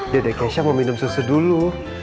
daddy kesia mau minum susu dulu